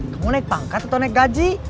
kamu naik pangkat atau naik gaji